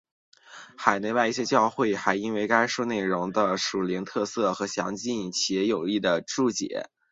海内外一些教会还因该书内容的属灵特色和详尽且有益的注解而用作主日学教材。